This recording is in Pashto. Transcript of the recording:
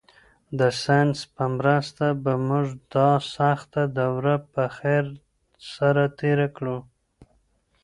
د ساینس په مرسته به موږ دا سخته دوره په خیر سره تېره کړو.